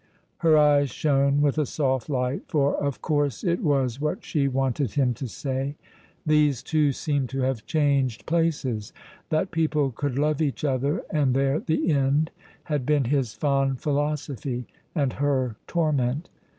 Her eyes shone with a soft light, for of course it was what she wanted him to say. These two seemed to have changed places. That people could love each other, and there the end, had been his fond philosophy and her torment.